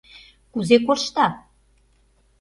Кузе коршта?